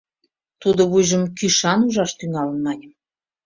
— Тудо вуйжым кӱшан ужаш тӱҥалын, — маньым.